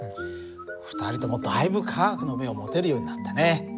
２人ともだいぶ科学の目を持てるようになったね。